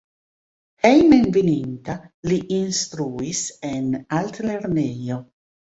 Hejmenveninta li instruis en Altlernejo.